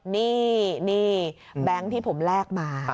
นี่แบงค์ที่ผมแลกมา